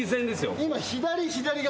今左左が。